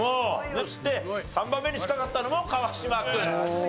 そして３番目に近かったのも川島君。